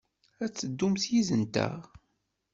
A teddumt yid-nteɣ?